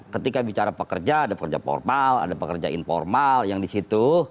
ketika bicara pekerja ada pekerja formal ada pekerja informal yang di situ